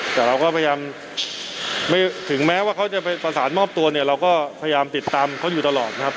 แต่เราก็พยายามไม่ถึงแม้ว่าเขาจะไปประสานมอบตัวเนี่ยเราก็พยายามติดตามเขาอยู่ตลอดนะครับ